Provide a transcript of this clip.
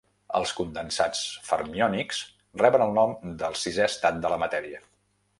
Els condensats fermiònics reben el nom de sisè estat de la matèria.